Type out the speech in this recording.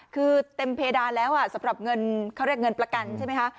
คือเต็มเพดานแล้วสำหรับเงินเขาเรียกเงินประกันใช่ไหมคะ